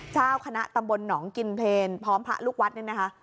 เจ้าคณะตำบลหนองกินเพลพร้อมพระลูกวัดเนี่ยนะคะ